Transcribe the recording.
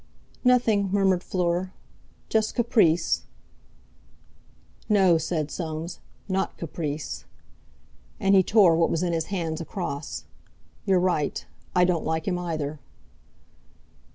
"Nothing," murmured Fleur; "just caprice!" "No," said Soames; "not caprice!" And he tore what was in his hands across. "You're right. I don't like him either!"